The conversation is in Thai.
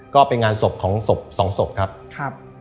ก็เป็นงานศพของศพสองศพครับครับ